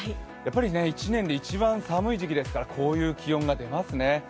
１年で一番寒い時期ですから、こういう気温が出ますね。